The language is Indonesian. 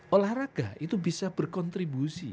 olahraga itu bisa berkontribusi